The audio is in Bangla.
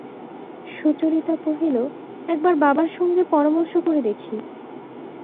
সুচরিতা কহিল, একবার বাবার সঙ্গে পরামর্শ করে দেখি।